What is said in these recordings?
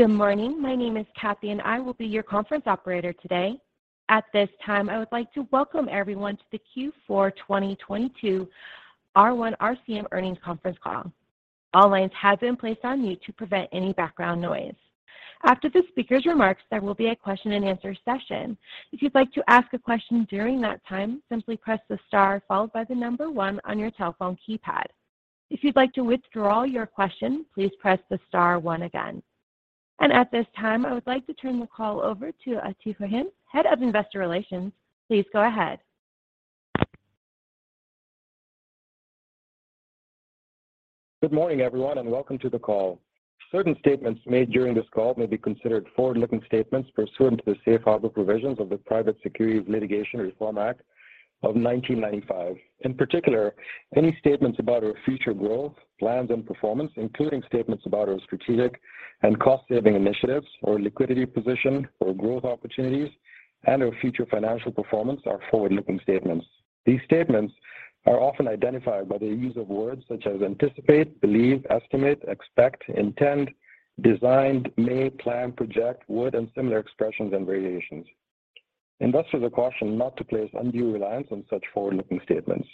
Good morning. My name is Kathy. I will be your conference operator today. At this time, I would like to welcome everyone to the Q4 2022 R1 RCM Earnings Conference Call. All lines have been placed on mute to prevent any background noise. After the speaker's remarks, there will be a question and answer session. If you'd like to ask a question during that time, simply press the star followed by the one on your telephone keypad. If you'd like to withdraw your question, please press the star one again. At this time, I would like to turn the call over to Atif Rahim, Head of Investor Relations. Please go ahead. Good morning, everyone, and welcome to the call. Certain statements made during this call may be considered forward-looking statements pursuant to the safe harbor provisions of the Private Securities Litigation Reform Act of 1995. In particular, any statements about our future growth, plans, and performance, including statements about our strategic and cost-saving initiatives or liquidity position or growth opportunities and our future financial performance are forward-looking statements. These statements are often identified by the use of words such as anticipate, believe, estimate, expect, intend, designed, may, plan, project, would, and similar expressions and variations. Investors are cautioned not to place undue reliance on such forward-looking statements.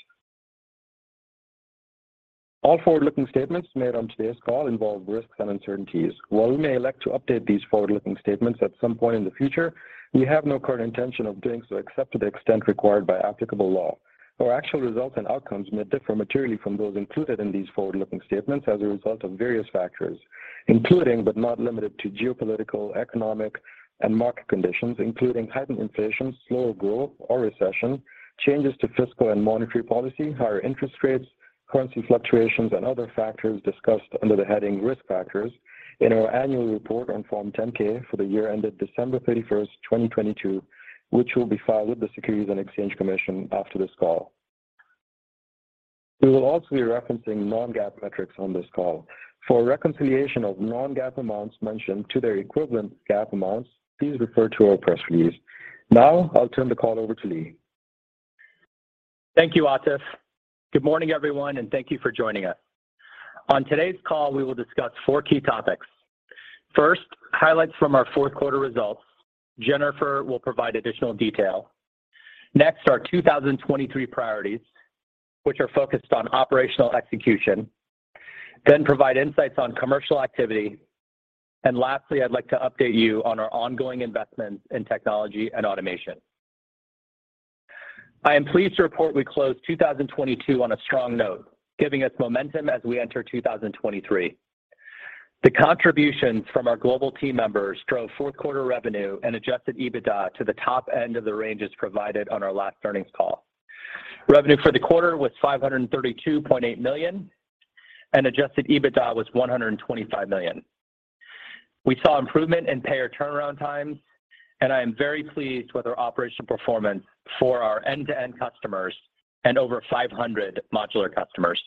All forward-looking statements made on today's call involve risks and uncertainties. While we may elect to update these forward-looking statements at some point in the future, we have no current intention of doing so except to the extent required by applicable law. Our actual results and outcomes may differ materially from those included in these forward-looking statements as a result of various factors, including, but not limited to geopolitical, economic, and market conditions, including heightened inflation, slower growth or recession, changes to fiscal and monetary policy, higher interest rates, currency fluctuations, and other factors discussed under the heading Risk Factors in our annual report on Form 10-K for the year ended December 31st, 2022, which will be filed with the Securities and Exchange Commission after this call. We will also be referencing non-GAAP metrics on this call. For a reconciliation of non-GAAP amounts mentioned to their equivalent GAAP amounts, please refer to our press release. Now, I'll turn the call over to Lee. Thank you, Atif. Good morning, everyone, and thank you for joining us. On today's call, we will discuss four key topics. First, highlights from our fourth quarter results. Jennifer will provide additional detail. Next, our 2023 priorities, which are focused on operational execution, provide insights on commercial activity. Lastly, I'd like to update you on our ongoing investments in technology and automation. I am pleased to report we closed 2022 on a strong note, giving us momentum as we enter 2023. The contributions from our global team members drove fourth quarter revenue and Adjusted EBITDA to the top end of the ranges provided on our last earnings call. Revenue for the quarter was $532.8 million, and Adjusted EBITDA was $125 million. We saw improvement in payer turnaround times. I am very pleased with our operational performance for our end-to-end customers and over 500 modular customers.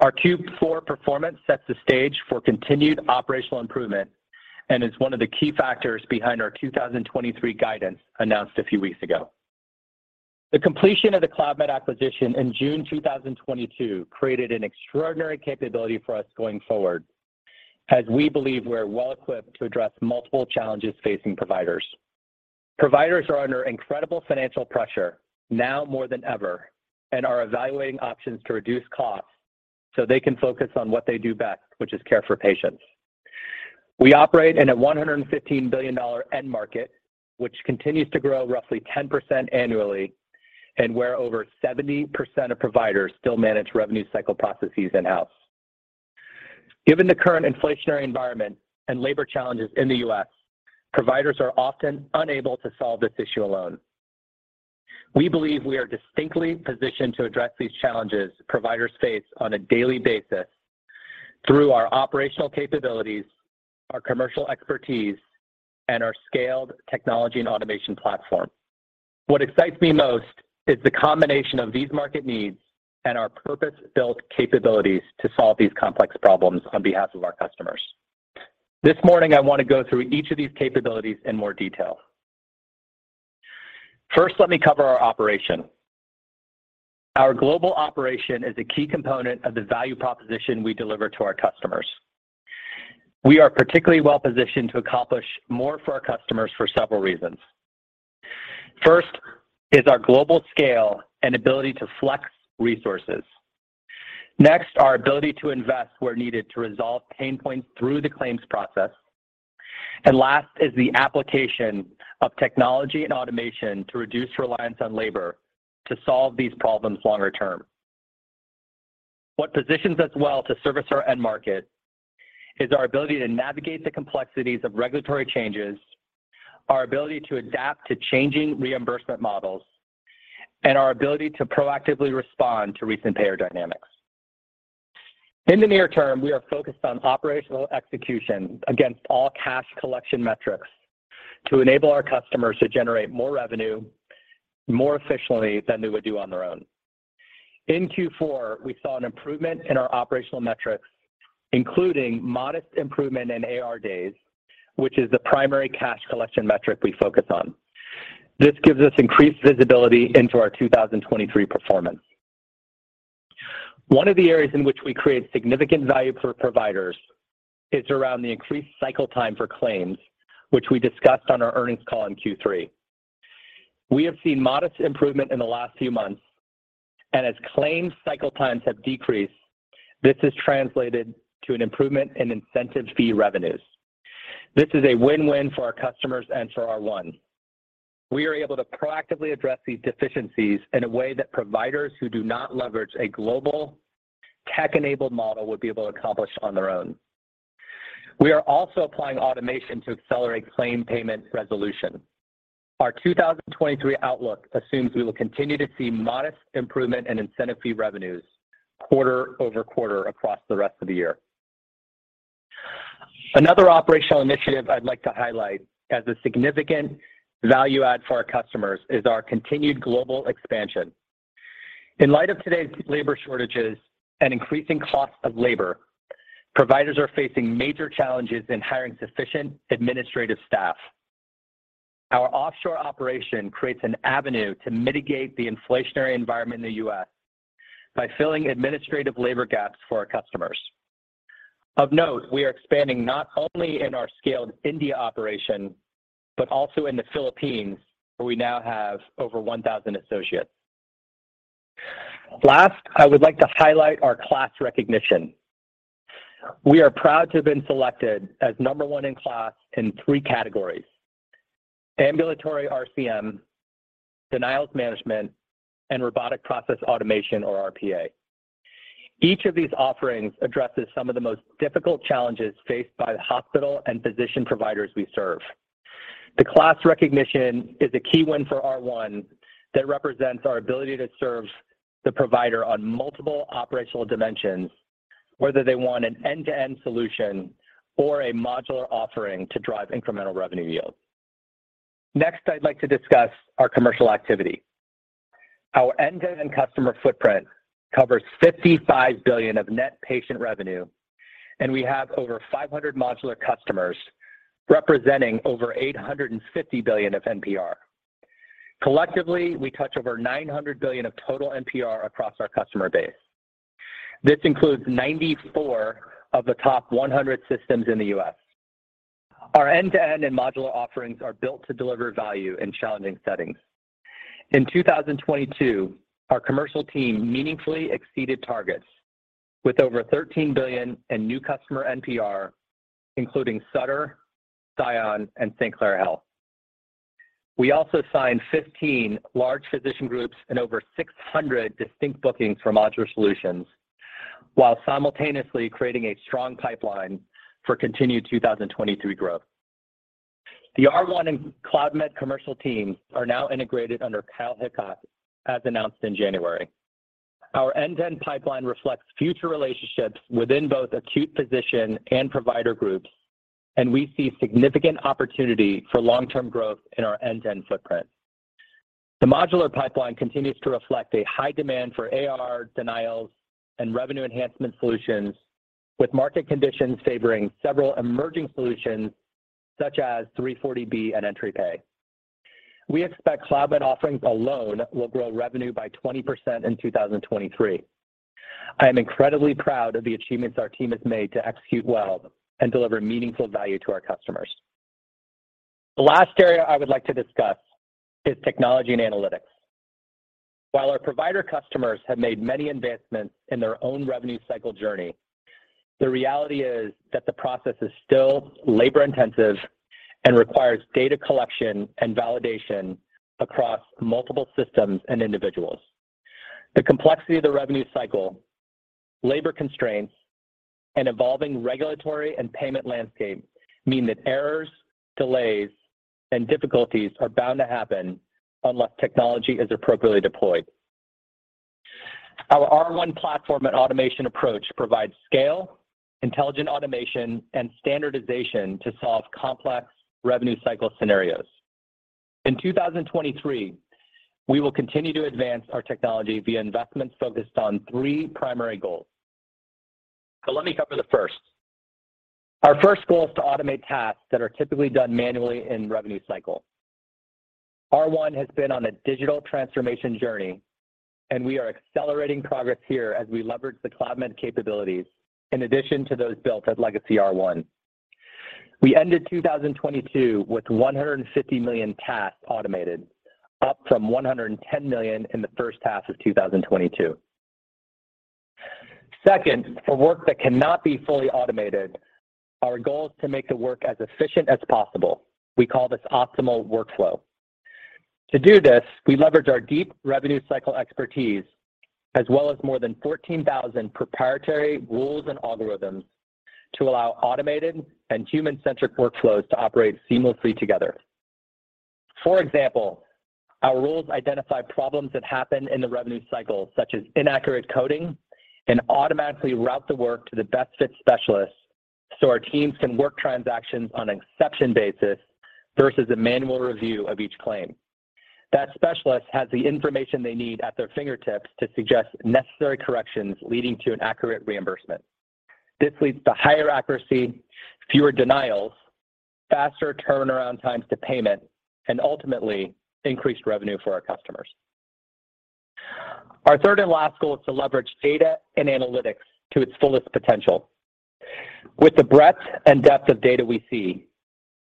Our Q4 performance sets the stage for continued operational improvement and is one of the key factors behind our 2023 guidance announced a few weeks ago. The completion of the Cloudmed acquisition in June 2022 created an extraordinary capability for us going forward, as we believe we're well equipped to address multiple challenges facing providers. Providers are under incredible financial pressure now more than ever and are evaluating options to reduce costs so they can focus on what they do best, which is care for patients. We operate in a $115 billion end market, which continues to grow roughly 10% annually and where over 70% of providers still manage revenue cycle processes in-house. Given the current inflationary environment and labor challenges in the U.S., providers are often unable to solve this issue alone. We believe we are distinctly positioned to address these challenges providers face on a daily basis through our operational capabilities, our commercial expertise, and our scaled technology and automation platform. What excites me most is the combination of these market needs and our purpose-built capabilities to solve these complex problems on behalf of our customers. This morning, I want to go through each of these capabilities in more detail. First, let me cover our operation. Our global operation is a key component of the value proposition we deliver to our customers. We are particularly well-positioned to accomplish more for our customers for several reasons. First is our global scale and ability to flex resources. Next, our ability to invest where needed to resolve pain points through the claims process. Last is the application of technology and automation to reduce reliance on labor to solve these problems longer term. What positions us well to service our end market is our ability to navigate the complexities of regulatory changes, our ability to adapt to changing reimbursement models, and our ability to proactively respond to recent payer dynamics. In the near term, we are focused on operational execution against all cash collection metrics to enable our customers to generate more revenue more efficiently than they would do on their own. In Q4, we saw an improvement in our operational metrics, including modest improvement in AR Days, which is the primary cash collection metric we focus on. This gives us increased visibility into our 2023 performance. One of the areas in which we create significant value for providers is around the increased cycle time for claims, which we discussed on our earnings call in Q3. We have seen modest improvement in the last few months, and as claims cycle times have decreased, this has translated to an improvement in incentive fee revenues. This is a win-win for our customers and for R1. We are able to proactively address these deficiencies in a way that providers who do not leverage a global tech-enabled model would be able to accomplish on their own. We are also applying automation to accelerate claim payment resolution. Our 2023 outlook assumes we will continue to see modest improvement in incentive fee revenues quarter-over-quarter across the rest of the year. Another operational initiative I'd like to highlight as a significant value add for our customers is our continued global expansion. In light of today's labor shortages and increasing costs of labor, providers are facing major challenges in hiring sufficient administrative staff. Our offshore operation creates an avenue to mitigate the inflationary environment in the U.S. by filling administrative labor gaps for our customers. Of note, we are expanding not only in our scaled India operation, but also in the Philippines, where we now have over 1,000 associates. I would like to highlight our KLAS recognition. We are proud to have been selected as number one in KLAS in three categories: ambulatory RCM, denials management, and robotic process automation or RPA. Each of these offerings addresses some of the most difficult challenges faced by the hospital and physician providers we serve. The KLAS recognition is a key win for R1 that represents our ability to serve the provider on multiple operational dimensions, whether they want an end-to-end solution or a modular offering to drive incremental revenue yield. Next, I'd like to discuss our commercial activity. Our end-to-end customer footprint covers $55 billion of Net Patient Revenue, and we have over 500 modular customers representing over $850 billion of NPR. Collectively, we touch over $900 billion of total NPR across our customer base. This includes 94 of the top 100 systems in the U.S. Our end-to-end and modular offerings are built to deliver value in challenging settings. In 2022, our commercial team meaningfully exceeded targets with over $13 billion in new customer NPR, including Sutter, ScionHealth, and St. Clair Health. We also signed 15 large physician groups and over 600 distinct bookings for modular solutions while simultaneously creating a strong pipeline for continued 2023 growth. The R1 and Cloudmed commercial teams are now integrated under Kyle Hicok as announced in January. Our end-to-end pipeline reflects future relationships within both acute physician and provider groups, and we see significant opportunity for long-term growth in our end-to-end footprint. The modular pipeline continues to reflect a high demand for AR denials and revenue enhancement solutions, with market conditions favoring several emerging solutions such as 340B and EntriPay. We expect Cloudmed offerings alone will grow revenue by 20% in 2023. I am incredibly proud of the achievements our team has made to execute well and deliver meaningful value to our customers. The last area I would like to discuss is technology and analytics. While our provider customers have made many advancements in their own revenue cycle journey, the reality is that the process is still labor-intensive and requires data collection and validation across multiple systems and individuals. The complexity of the revenue cycle, labor constraints, and evolving regulatory and payment landscape mean that errors, delays, and difficulties are bound to happen unless technology is appropriately deployed. Our R1 platform and automation approach provides scale, intelligent automation, and standardization to solve complex revenue cycle scenarios. In 2023, we will continue to advance our technology via investments focused on three primary goals. Let me cover the first. Our first goal is to automate tasks that are typically done manually in revenue cycle. R1 has been on a digital transformation journey. We are accelerating progress here as we leverage the Cloudmed capabilities in addition to those built as legacy R1. We ended 2022 with 150 million tasks automated, up from 110 million in the first half of 2022. Second, for work that cannot be fully automated, our goal is to make the work as efficient as possible. We call this optimal workflow. To do this, we leverage our deep revenue cycle expertise as well as more than 14,000 proprietary rules and algorithms to allow automated and human-centric workflows to operate seamlessly together. Our rules identify problems that happen in the revenue cycle, such as inaccurate coding, and automatically route the work to the best fit specialist so our teams can work transactions on an exception basis versus a manual review of each claim. That specialist has the information they need at their fingertips to suggest necessary corrections leading to an accurate reimbursement. This leads to higher accuracy, fewer denials. Faster turnaround times to payment, and ultimately increased revenue for our customers. Our third and last goal is to leverage data and analytics to its fullest potential. With the breadth and depth of data we see,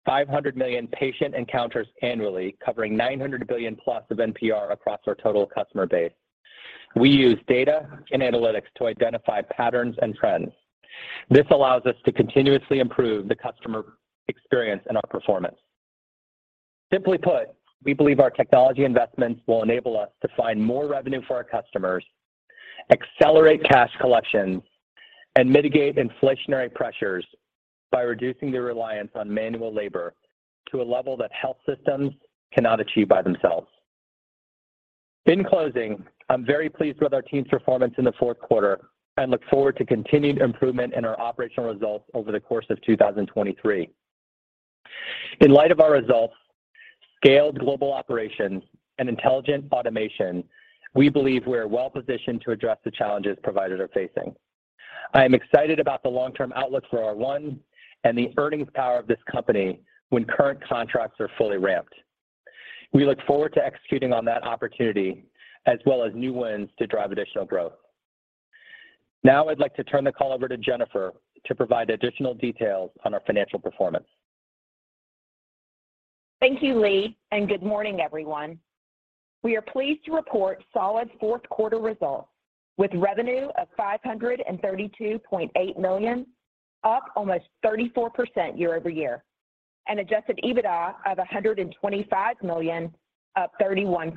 500 million patient encounters annually covering $900 billion+ of NPR across our total customer base We use data and analytics to identify patterns and trends. This allows us to continuously improve the customer experience and our performance. Simply put, we believe our technology investments will enable us to find more revenue for our customers, accelerate cash collection, and mitigate inflationary pressures by reducing the reliance on manual labor to a level that health systems cannot achieve by themselves. In closing, I'm very pleased with our team's performance in the fourth quarter, and look forward to continued improvement in our operational results over the course of 2023. In light of our results, scaled global operations and intelligent automation, we believe we're well-positioned to address the challenges providers are facing. I am excited about the long-term outlook for R1 and the earnings power of this company when current contracts are fully ramped. We look forward to executing on that opportunity as well as new wins to drive additional growth. I'd like to turn the call over to Jennifer to provide additional details on our financial performance. Thank you, Lee, and good morning, everyone. We are pleased to report solid fourth quarter results with revenue of $532.8 million, up almost 34% year-over-year, and Adjusted EBITDA of $125 million, up 31%.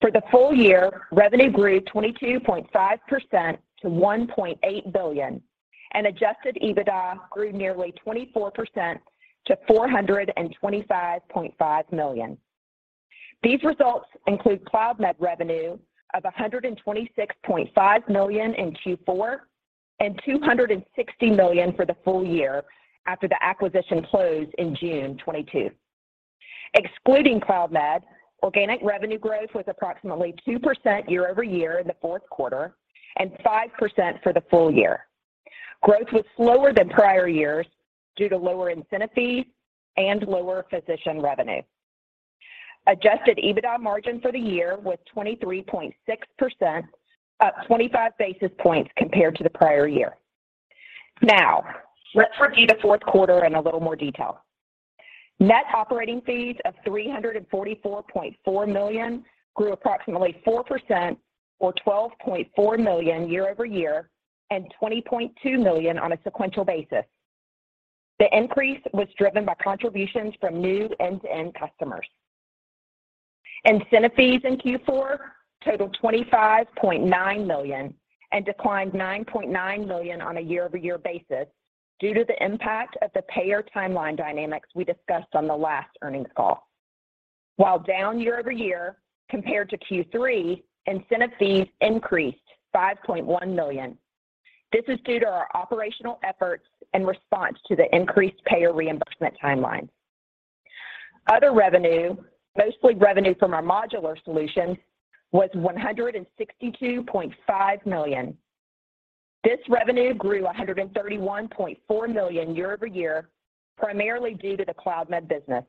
For the full year, revenue grew 22.5% to $1.8 billion, and Adjusted EBITDA grew nearly 24% to $425.5 million. These results include Cloudmed revenue of $126.5 million in Q4 and $260 million for the full year after the acquisition closed in June 2022. Excluding Cloudmed, organic revenue growth was approximately 2% year-over-year in the fourth quarter and 5% for the full year. Growth was slower than prior years due to lower incentive fees and lower physician revenue. Adjusted EBITDA margin for the year was 23.6%, up 25 basis points compared to the prior year. Let's review the fourth quarter in a little more detail. Net operating fees of $344.4 million grew approximately 4% or $12.4 million year-over-year and $20.2 million on a sequential basis. The increase was driven by contributions from new end-to-end customers. Incentive fees in Q4 totaled $25.9 million and declined $9.9 million on a year-over-year basis due to the impact of the payer timeline dynamics we discussed on the last earnings call. Down year-over-year compared to Q3, incentive fees increased $5.1 million. This is due to our operational efforts in response to the increased payer reimbursement timeline. Other revenue, mostly revenue from our modular solutions, was $162.5 million. This revenue grew $131.4 million year-over-year, primarily due to the Cloudmed business.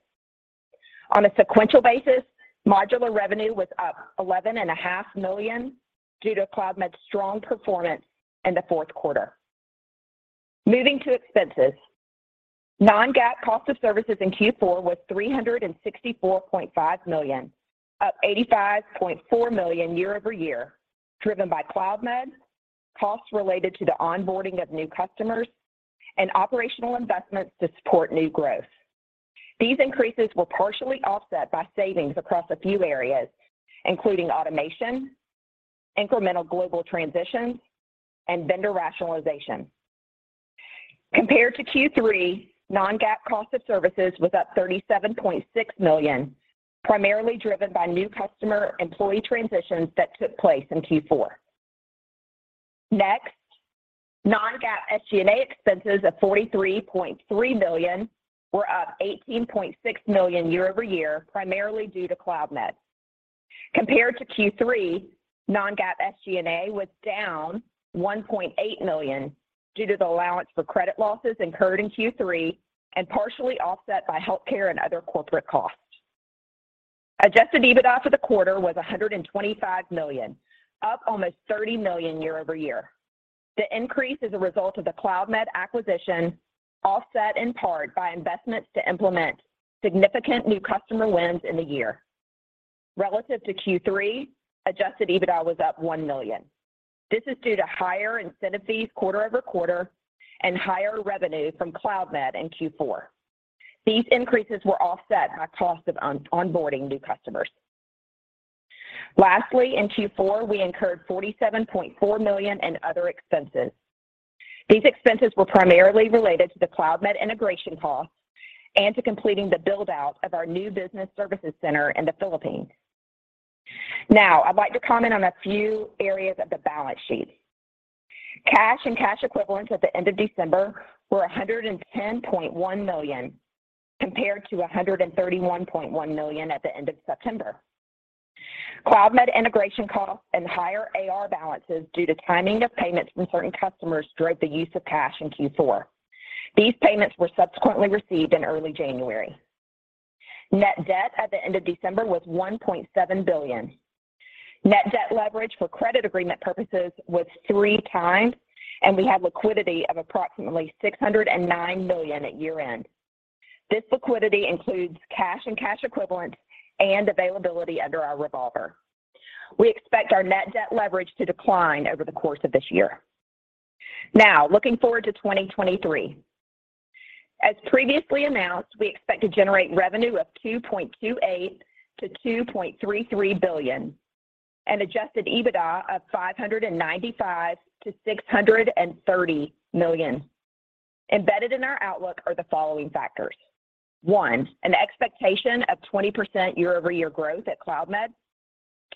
On a sequential basis, modular revenue was up $11.5 million due to Cloudmed's strong performance in the fourth quarter. Moving to expenses. Non-GAAP cost of services in Q4 was $364.5 million, up $85.4 million year-over-year, driven by Cloudmed, costs related to the onboarding of new customers, and operational investments to support new growth. These increases were partially offset by savings across a few areas, including automation, incremental global transitions, and vendor rationalization. Compared to Q3, non-GAAP cost of services was up $37.6 million, primarily driven by new customer employee transitions that took place in Q4. non-GAAP SG&A expenses of $43.3 million were up $18.6 million year-over-year, primarily due to Cloudmed. Compared to Q3, non-GAAP SG&A was down $1.8 million due to the allowance for credit losses incurred in Q3 and partially offset by healthcare and other corporate costs. Adjusted EBITDA for the quarter was $125 million, up almost $30 million year-over-year. The increase is a result of the Cloudmed acquisition, offset in part by investments to implement significant new customer wins in the year. Relative to Q3, Adjusted EBITDA was up $1 million. This is due to higher incentive fees quarter-over-quarter and higher revenue from Cloudmed in Q4. These increases were offset by cost of onboarding new customers. Lastly, in Q4, we incurred $47.4 million in other expenses. These expenses were primarily related to the Cloudmed integration costs and to completing the build-out of our new business services center in the Philippines. I'd like to comment on a few areas of the balance sheet. Cash and cash equivalents at the end of December were $110.1 million, compared to $131.1 million at the end of September. Cloudmed integration costs and higher AR balances due to timing of payments from certain customers drove the use of cash in Q4. These payments were subsequently received in early January. Net debt at the end of December was $1.7 billion. Net debt leverage for credit agreement purposes was 3 times, and we had liquidity of approximately $609 million at year-end. This liquidity includes cash and cash equivalents and availability under our revolver. We expect our net debt leverage to decline over the course of this year. Now, looking forward to 2023. As previously announced, we expect to generate revenue of $2.28 billion-$2.33 billion, and Adjusted EBITDA of $595 million-$630 million. Embedded in our outlook are the following factors. One, an expectation of 20% year-over-year growth at Cloudmed.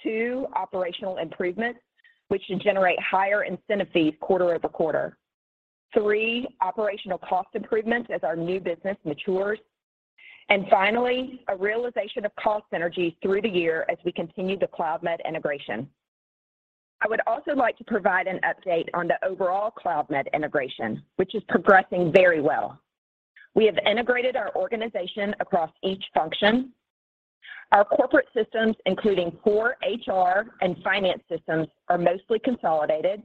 Two, operational improvements, which should generate higher incentive fees quarter-over-quarter. Three, operational cost improvements as our new business matures. Finally, a realization of cost synergies through the year as we continue the Cloudmed integration. I would also like to provide an update on the overall Cloudmed integration, which is progressing very well. We have integrated our organization across each function. Our corporate systems, including core HR and finance systems, are mostly consolidated.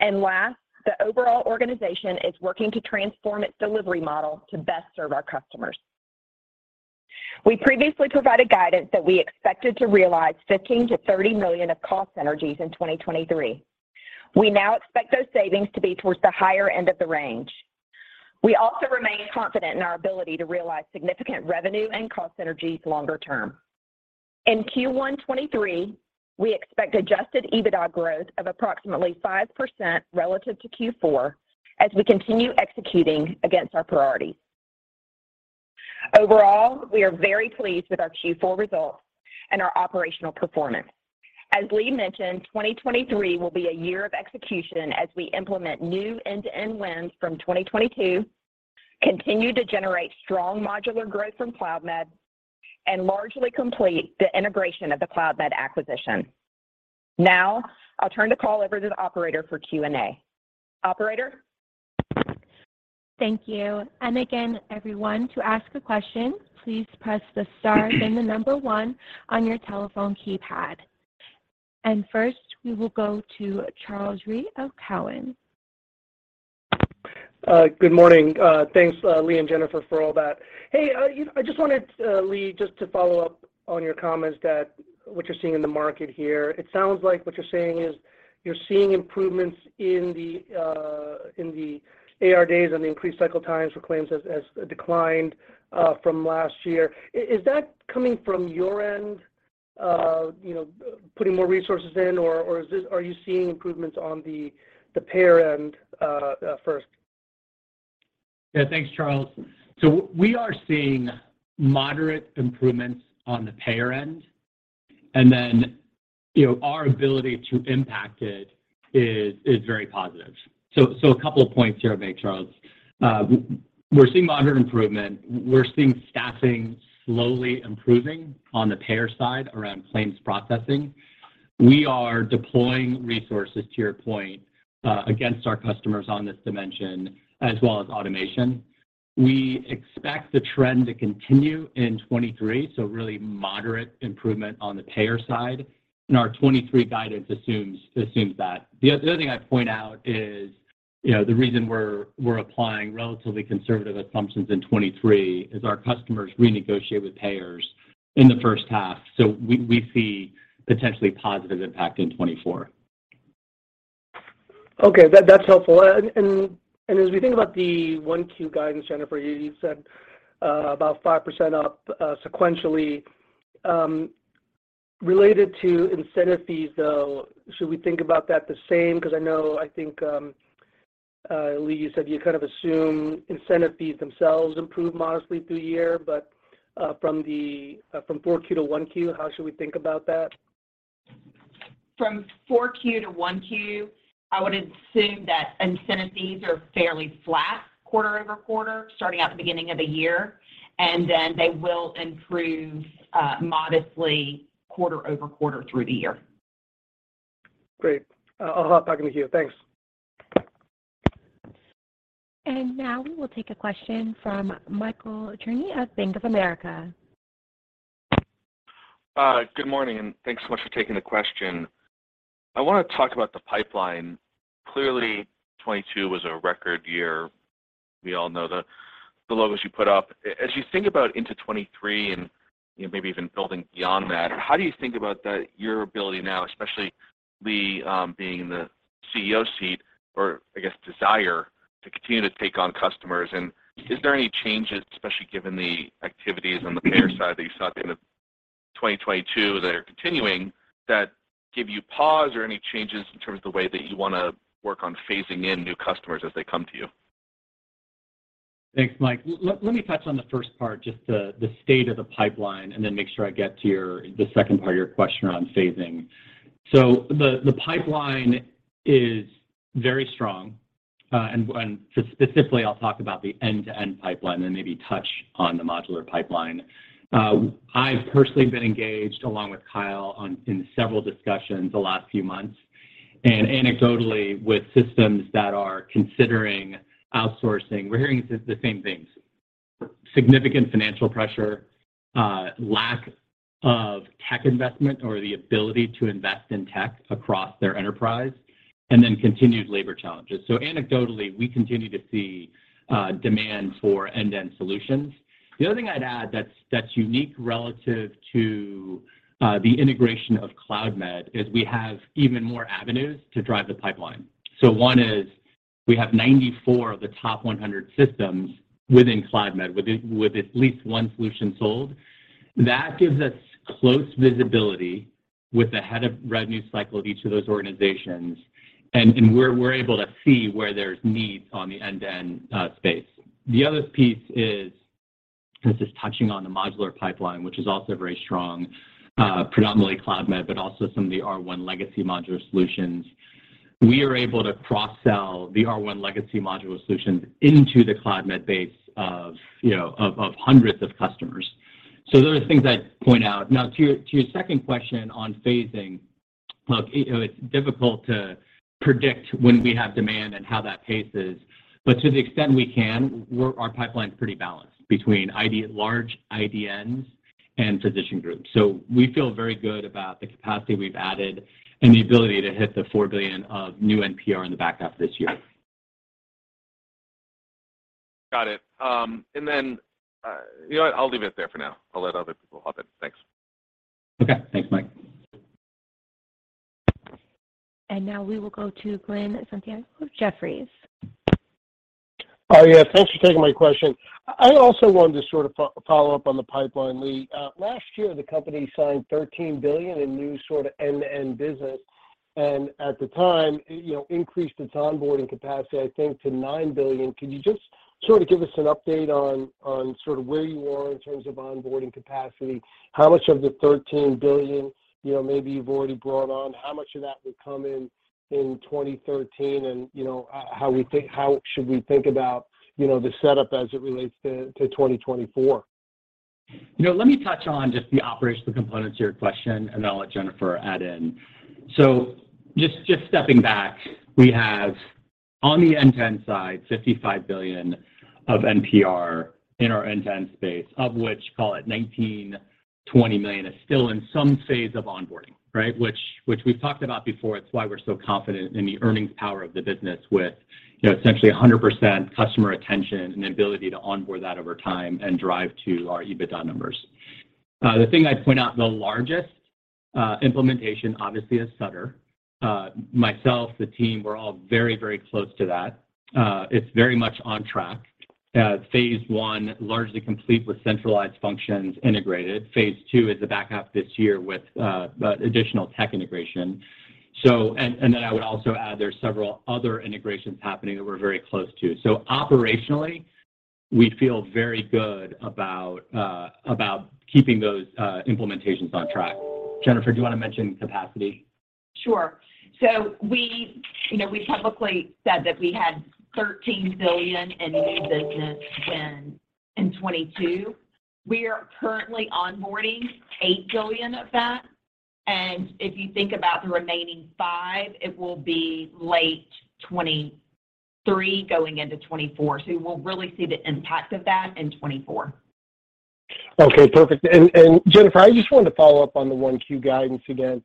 Last, the overall organization is working to transform its delivery model to best serve our customers. We previously provided guidance that we expected to realize $15 million-$30 million of cost synergies in 2023. We now expect those savings to be towards the higher end of the range. We also remain confident in our ability to realize significant revenue and cost synergies longer term. In Q1 2023, we expect Adjusted EBITDA growth of approximately 5% relative to Q4 as we continue executing against our priorities. Overall, we are very pleased with our Q4 results and our operational performance. As Lee mentioned, 2023 will be a year of execution as we implement new end-to-end wins from 2022, continue to generate strong modular growth from Cloudmed, and largely complete the integration of the Cloudmed acquisition. I'll turn the call over to the operator for Q&A. Operator? Thank you. Again, everyone, to ask a question, please press the star then the one on your telephone keypad. First, we will go to Charles Rhyee of Cowen. Good morning. Thanks, Lee and Jennifer, for all that. Hey, I just wanted, Lee, just to follow up on your comments that what you're seeing in the market here, it sounds like what you're saying is you're seeing improvements in the AR Days and the increased cycle times for claims has declined from last year. Is that coming from your end, you know, putting more resources in, or are you seeing improvements on the payer end, first? Yeah, thanks, Charles. We are seeing moderate improvements on the payer end. You know, our ability to impact it is very positive. A couple of points here I'll make, Charles. We're seeing moderate improvement. We're seeing staffing slowly improving on the payer side around claims processing. We are deploying resources, to your point, against our customers on this dimension, as well as automation. We expect the trend to continue in 2023, really moderate improvement on the payer side, and our 2023 guidance assumes that. The other thing I'd point out is, you know, the reason we're applying relatively conservative assumptions in 2023 is our customers renegotiate with payers in the first half. We see potentially positive impact in 2024. Okay. That's helpful. As we think about the 1Q guidance, Jennifer, you said about 5% up sequentially. Related to incentive fees, though, should we think about that the same? Because I know, I think, Lee, you said you kind of assume incentive fees themselves improve modestly through the year, but from the 4Q to 1Q, how should we think about that? From 4Q to 1Q, I would assume that incentive fees are fairly flat quarter-over-quarter, starting at the beginning of the year, and then they will improve, modestly quarter-over-quarter through the year. Great. I'll stop talking to you. Thanks. Now we will take a question from Michael Cherny of Bank of America. Good morning, and thanks so much for taking the question. I wanna talk about the pipeline. Clearly, 2022 was a record year. We all know the logos you put up. As you think about into 2023 and, you know, maybe even building beyond that, how do you think about your ability now, especially Lee, being in the CEO seat, or I guess desire to continue to take on customers? Is there any changes, especially given the activities on the payer side that you saw at the end of 2022 that are continuing, that give you pause or any changes in terms of the way that you wanna work on phasing in new customers as they come to you? Thanks, Mike. Let me touch on the first part, just the state of the pipeline. Make sure I get to the second part of your question around phasing. The pipeline is very strong. Specifically, I'll talk about the end-to-end pipeline and maybe touch on the modular pipeline. I've personally been engaged along with Kyle in several discussions the last few months. Anecdotally, with systems that are considering outsourcing, we're hearing the same things: significant financial pressure, lack of tech investment or the ability to invest in tech across their enterprise, continued labor challenges. Anecdotally, we continue to see demand for end-to-end solutions. The other thing I'd add that's unique relative to the integration of Cloudmed is we have even more avenues to drive the pipeline. One is we have 94 of the top 100 systems within Cloudmed with at least one solution sold. That gives us close visibility with the head of revenue cycle of each of those organizations. We're able to see where there's needs on the end-to-end space. The other piece is, this is touching on the modular pipeline, which is also very strong, predominantly Cloudmed, but also some of the R1 legacy modular solutions. We are able to cross-sell the R1 legacy modular solutions into the Cloudmed base of, you know, of hundreds of customers. Those are things I'd point out. Now to your second question on phasing. Look, you know, it's difficult to predict when we have demand and how that paces. To the extent we can, our pipeline's pretty balanced between large IDNs and physician groups. We feel very good about the capacity we've added and the ability to hit the $4 billion of new NPR in the back half of this year. Got it. You know what? I'll leave it there for now. I'll let other people hop in. Thanks. Okay. Thanks, Mike. Now we will go to Glen Santangelo with Jefferies. Oh, yeah. Thanks for taking my question. I also wanted to sort of follow up on the pipeline, Lee. Last year, the company signed $13 billion in new sort of end-to-end business and at the time, you know, increased its onboarding capacity, I think, to $9 billion. Can you just sort of give us an update on sort of where you are in terms of onboarding capacity? How much of the $13 billion, you know, maybe you've already brought on? How much of that would come in 2013? You know, how should we think about, you know, the setup as it relates to 2024? You know, let me touch on just the operational component to your question. Then I'll let Jennifer add in. Just stepping back, we have on the end-to-end side, $55 billion of NPR in our end-to-end space, of which, call it $19 million-$20 million is still in some phase of onboarding, right? Which we've talked about before. It's why we're so confident in the earnings power of the business with, you know, essentially 100% customer retention and the ability to onboard that over time and drive to our EBITDA numbers. The thing I'd point out, the largest implementation obviously is Sutter. Myself, the team, we're all very, very close to that. It's very much on track. Phase I, largely complete with centralized functions integrated. Phase II is the back half of this year with additional tech integration. I would also add there's several other integrations happening that we're very close to. Operationally, we feel very good about about keeping those implementations on track. Jennifer, do you wanna mention capacity? Sure. We, you know, we've publicly said that we had $13 billion in new business in 2022. We are currently onboarding $8 billion of that. If you think about the remaining five, it will be late 2023 going into 2024. We'll really see the impact of that in 2024. Okay, perfect. Jennifer, I just wanted to follow up on the Q1 guidance again.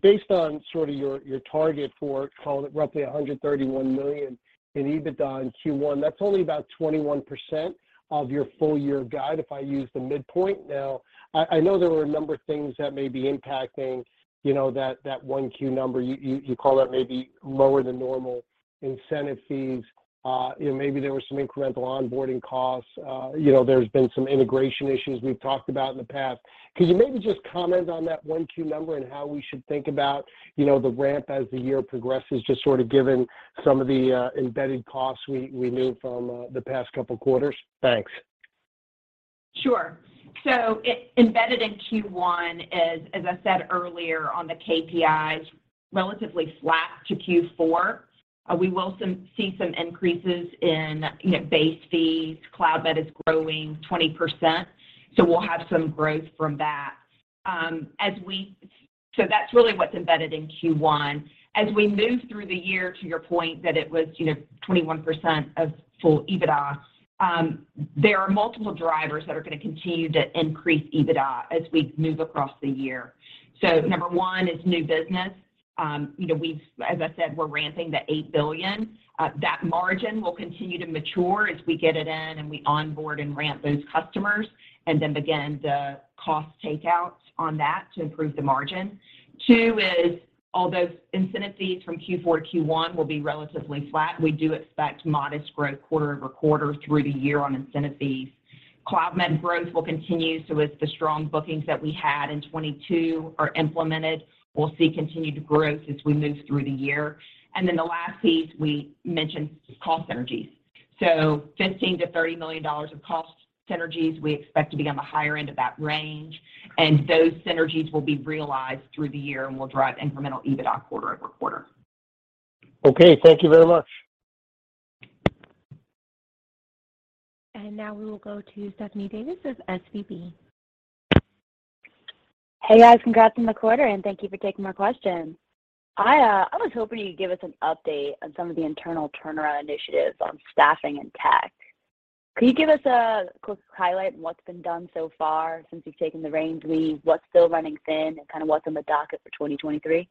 Based on sort of your target for, call it, roughly $131 million in EBITDA in Q1, that's only about 21% of your full year guide if I use the midpoint. I know there were a number of things that may be impacting, you know, that Q1 number. You call that may be lower than normal incentive fees. You know, maybe there were some incremental onboarding costs. You know, there's been some integration issues we've talked about in the past. Could you maybe just comment on that 1Q number and how we should think about, you know, the ramp as the year progresses, just sort of given some of the embedded costs we knew from the past couple quarters? Thanks. Sure. Embedded in Q1 is, as I said earlier on the KPIs, relatively flat to Q4. We will see some increases in, you know, base fees. Cloudmed is growing 20%, we'll have some growth from that. That's really what's embedded in Q1. As we move through the year, to your point that it was, you know, 21% of full EBITDA, there are multiple drivers that are gonna continue to increase EBITDA as we move across the year. Number one is new business. you know, as I said, we're ramping the $8 billion. That margin will continue to mature as we get it in and we onboard and ramp those customers and then begin the cost takeouts on that to improve the margin. Two is, although incentive fees from Q4-Q1 will be relatively flat, we do expect modest growth quarter-over-quarter through the year on incentive fees. Cloudmed growth will continue, so as the strong bookings that we had in 22 are implemented, we'll see continued growth as we move through the year. The last piece, we mentioned cost synergies. $15 million-$30 million of cost synergies. We expect to be on the higher end of that range, and those synergies will be realized through the year and will drive incremental EBITDA quarter-over-quarter. Okay. Thank you very much. Now we will go to Stephanie Davis of SVB. Hey, guys. Congrats on the quarter, and thank you for taking my questions. I was hoping you could give us an update on some of the internal turnaround initiatives on staffing and tech. Could you give us a quick highlight on what's been done so far since you've taken the reins, Lee? What's still running thin and kind of what's on the docket for 2023?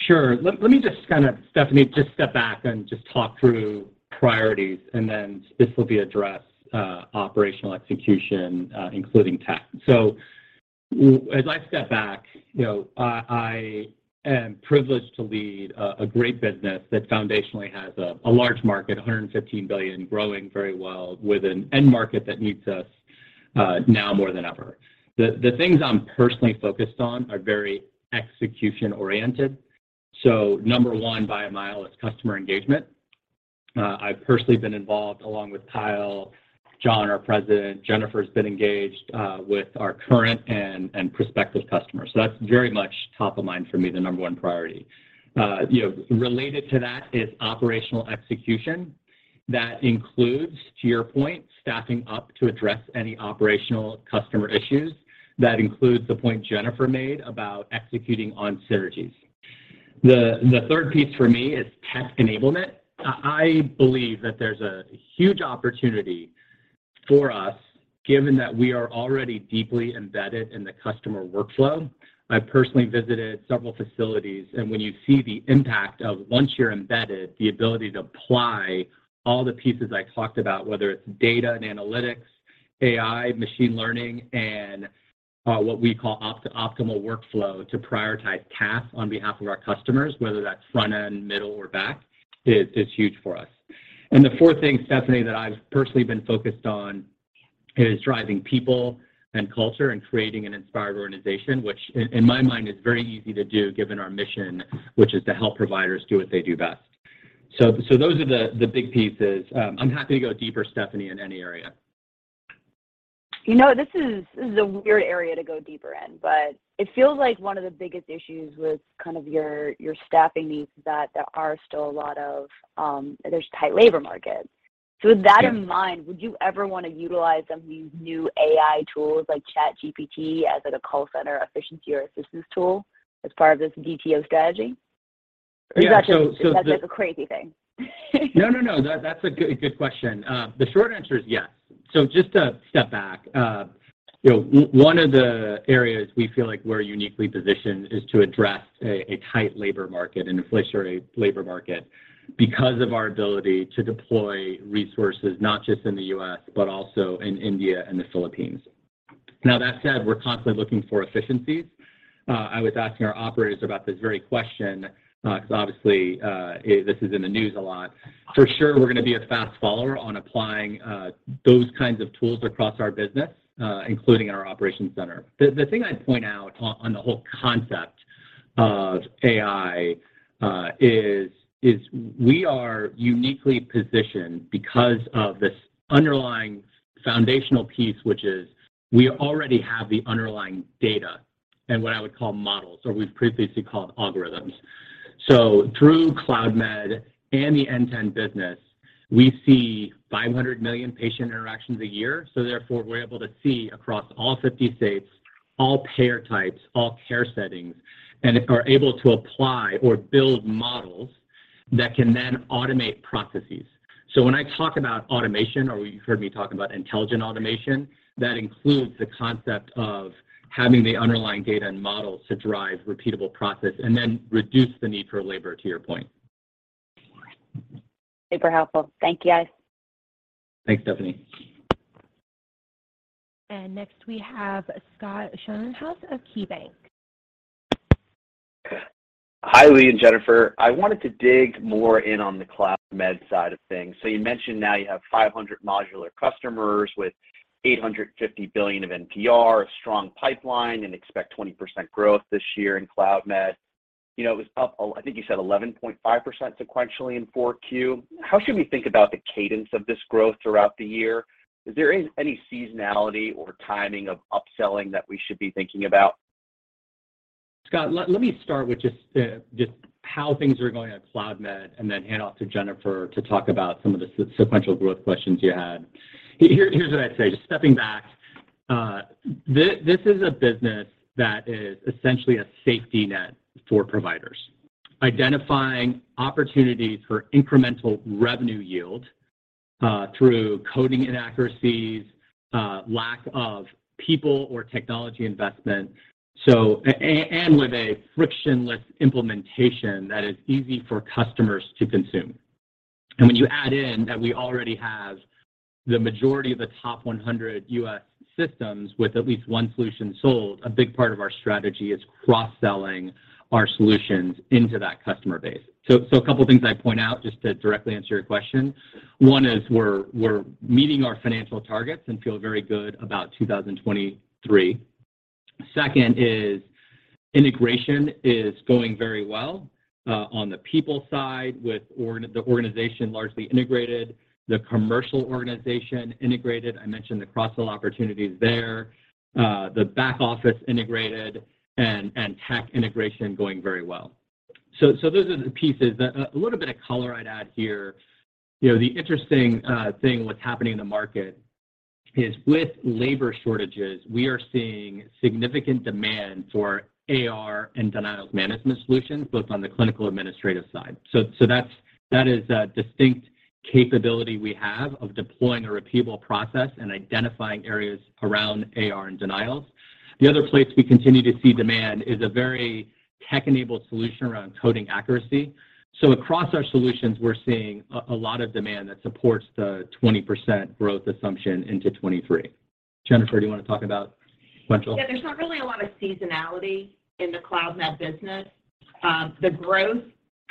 Sure. Let me just kind of, Stephanie, just step back and just talk through priorities, and then this will be addressed, operational execution, including tech. As I step back, you know, I am privileged to lead a great business that foundationally has a large market, $115 billion, growing very well with an end market that needs us now more than ever. The things I'm personally focused on are very execution oriented. Number one by a mile is customer engagement. I've personally been involved along with Kyle, John, our president, Jennifer's been engaged with our current and prospective customers. That's very much top of mind for me, the number one priority. You know, related to that is operational execution. That includes, to your point, staffing up to address any operational customer issues. That includes the point Jennifer made about executing on synergies. The third piece for me is tech enablement. I believe that there's a huge opportunity for us given that we are already deeply embedded in the customer workflow. I personally visited several facilities, and when you see the impact of once you're embedded, the ability to apply all the pieces I talked about, whether it's data and analytics, AI, machine learning, and what we call optimal workflow to prioritize tasks on behalf of our customers, whether that's front end, middle or back, is huge for us. The fourth thing, Stephanie, that I've personally been focused on is driving people and culture and creating an inspired organization, which in my mind is very easy to do given our mission, which is to help providers do what they do best. Those are the big pieces. I'm happy to go deeper, Stephanie, in any area. You know, this is a weird area to go deeper in, but it feels like one of the biggest issues with kind of your staffing needs is that there are still a lot of, there's tight labor markets. Yes. With that in mind, would you ever wanna utilize some of these new AI tools like ChatGPT as like a call center efficiency or assistance tool as part of this DTO strategy? Yeah. Is that just a crazy thing? No, no. That's a good question. The short answer is yes. Just to step back, you know, one of the areas we feel like we're uniquely positioned is to address a tight labor market, an inflationary labor market because of our ability to deploy resources not just in the U.S., but also in India and the Philippines. Now that said, we're constantly looking for efficiencies. I was asking our operators about this very question, 'cause obviously, this is in the news a lot. For sure, we're gonna be a fast follower on applying those kinds of tools across our business, including in our operations center. The thing I'd point out on the whole concept of AI, is we are uniquely positioned because of this underlying foundational piece, which is we already have the underlying data and what I would call models or we've previously called algorithms. Through Cloudmed and the Cloudmed business, we see 500 million patient interactions a year. Therefore, we're able to see across all 50 states, all payer types, all care settings, and are able to apply or build models that can then automate processes. When I talk about automation or you've heard me talk about intelligent automation, that includes the concept of having the underlying data and models to drive repeatable process and then reduce the need for labor, to your point. Super helpful. Thank you, guys. Thanks, Stephanie. Next we have Scott Schoenhaus of KeyBanc. Hi, Lee and Jennifer. I wanted to dig more in on the Cloudmed side of things. You mentioned now you have 500 modular customers with $850 billion of NPR, a strong pipeline, and expect 20% growth this year in Cloudmed. You know, it was up 11.5% sequentially in 4Q. How should we think about the cadence of this growth throughout the year? Is there any seasonality or timing of upselling that we should be thinking about? Scott, let me start with just how things are going at Cloudmed and then hand off to Jennifer to talk about some of the sequential growth questions you had. Here's what I'd say, just stepping back. This is a business that is essentially a safety net for providers. Identifying opportunities for incremental revenue yield, through coding inaccuracies, lack of people or technology investment, and with a frictionless implementation that is easy for customers to consume. And when you add in that we already have the majority of the top 100 U.S. systems with at least one solution sold, a big part of our strategy is cross-selling our solutions into that customer base. A couple things I'd point out just to directly answer your question. One is we're meeting our financial targets and feel very good about 2023. Second is integration is going very well on the people side with the organization largely integrated, the commercial organization integrated. I mentioned the cross-sell opportunities there. The back office integrated and tech integration going very well. Those are the pieces. A little bit of color I'd add here, you know, the interesting thing what's happening in the market is with labor shortages, we are seeing significant demand for AR and denials management solutions, both on the clinical administrative side. That is a distinct capability we have of deploying a repeatable process and identifying areas around AR and denials. The other place we continue to see demand is a very tech-enabled solution around coding accuracy. across our solutions, we're seeing a lot of demand that supports the 20% growth assumption into 2023. Jennifer, do you wanna talk about financial? Yeah. There's not really a lot of seasonality in the Cloudmed business. The growth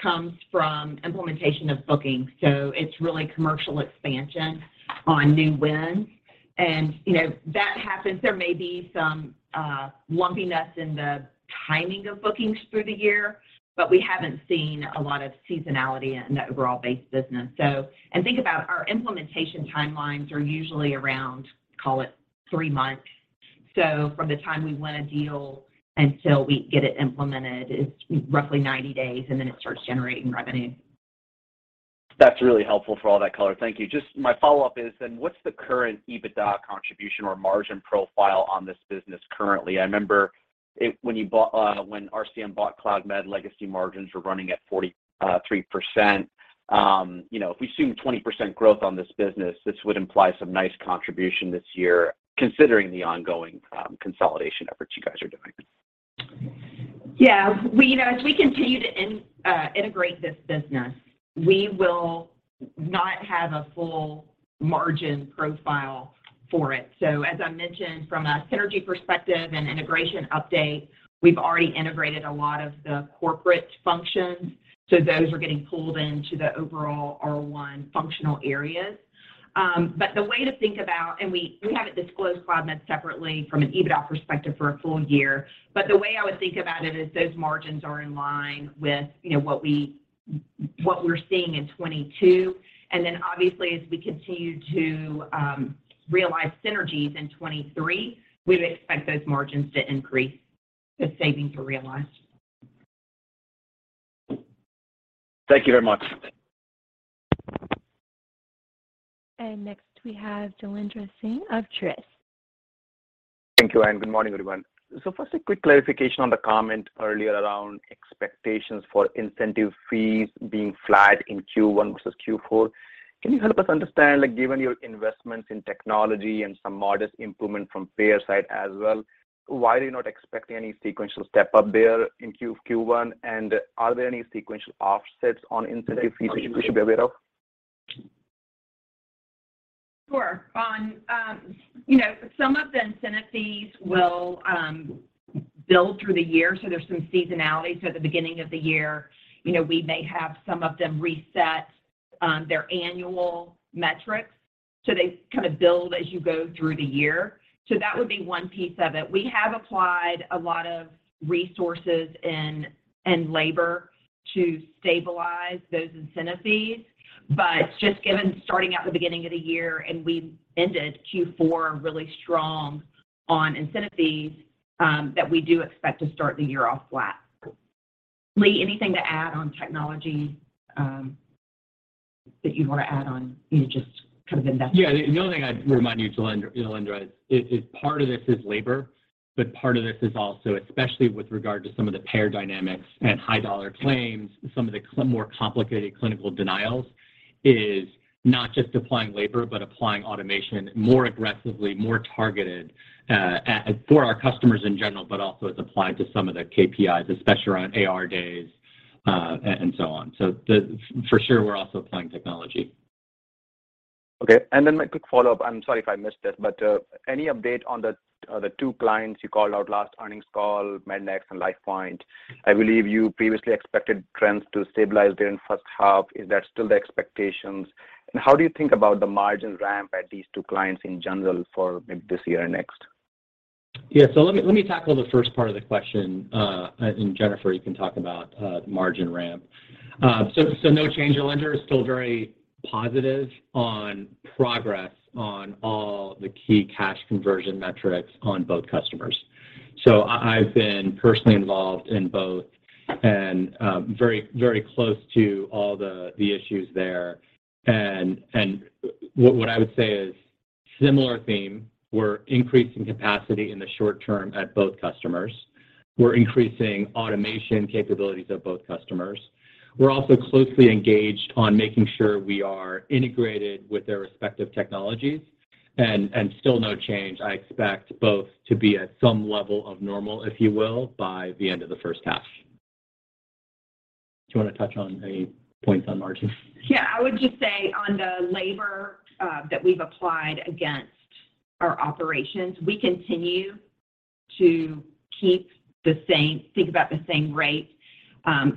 comes from implementation of bookings, so it's really commercial expansion on new wins. You know, that happens. There may be some lumpiness in the timing of bookings through the year, but we haven't seen a lot of seasonality in the overall base business. Think about our implementation timelines are usually around, call it, three months. From the time we win a deal until we get it implemented is roughly 90 days, and then it starts generating revenue. That's really helpful for all that color. Thank you. Just my follow-up is then what's the current EBITDA contribution or margin profile on this business currently? I remember when you bought, when RCM bought Cloudmed, legacy margins were running at 43%. You know, if we assume 20% growth on this business, this would imply some nice contribution this year considering the ongoing consolidation efforts you guys are doing. Yeah. We, you know, as we continue to integrate this business, we will not have a full margin profile for it. As I mentioned from a synergy perspective and integration update, we've already integrated a lot of the corporate functions, so those are getting pulled into the overall R1 functional areas. The way to think about, and we haven't disclosed Cloudmed separately from an EBITDA perspective for a full year, the way I would think about it is those margins are in line with, you know, what we're seeing in 22. Then obviously as we continue to realize synergies in 23, we would expect those margins to increase the savings we realize. Thank you very much. Next we have Jailendra Singh of Truist. Thank you. Good morning, everyone. First, a quick clarification on the comment earlier around expectations for incentive fees being flat in Q1 versus Q4. Can you help us understand, like, given your investments in technology and some modest improvement from payer side as well, why are you not expecting any sequential step up there in Q1, and are there any sequential offsets on incentive fees we should be aware of? Sure. On, you know, some of the incentive fees will build through the year, so there's some seasonality. At the beginning of the year, you know, we may have some of them reset their annual metrics, so they kind of build as you go through the year. That would be one piece of it. We have applied a lot of resources and labor to stabilize those incentive fees. Just given starting at the beginning of the year, and we ended Q4 really strong on incentive fees, that we do expect to start the year off flat. Lee, anything to add on technology, that you'd want to add on, you know, just kind of investment? Yeah. The only thing I'd remind you, Jailendra, is part of this is labor, but part of this is also, especially with regard to some of the payer dynamics and high dollar claims, some of the some more complicated clinical denials, is not just applying labor, but applying automation more aggressively, more targeted, and for our customers in general, but also as applied to some of the KPIs, especially around AR Days, and so on. The, for sure, we're also applying technology. Okay. My quick follow-up, I'm sorry if I missed it, but, any update on the two clients you called out last earnings call, Mednax and LifePoint? I believe you previously expected trends to stabilize during first half. Is that still the expectations? How do you think about the margin ramp at these two clients in general for maybe this year or next? Let me tackle the first part of the question. Jennifer, you can talk about margin ramp. No change. Jailendra is still very positive on progress on all the key cash conversion metrics on both customers. I've been personally involved in both and very, very close to all the issues there. What I would say is similar theme. We're increasing capacity in the short term at both customers. We're increasing automation capabilities at both customers. We're also closely engaged on making sure we are integrated with their respective technologies. Still no change. I expect both to be at some level of normal, if you will, by the end of the first half. Do you wanna touch on any points on margins? Yeah. I would just say on the labor that we've applied against our operations, we continue to keep the same, think about the same rate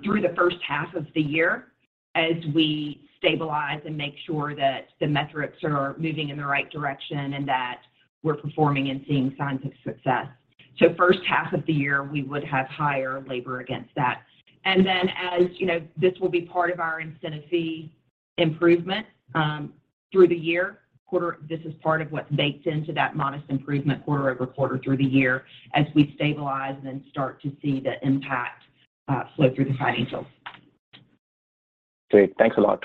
through the first half of the year. As we stabilize and make sure that the metrics are moving in the right direction and that we're performing and seeing signs of success. First half of the year, we would have higher labor against that. As you know, this will be part of our incentive fee improvement through the year. This is part of what's baked into that modest improvement quarter-over-quarter through the year as we stabilize, then start to see the impact flow through the financials. Great. Thanks a lot.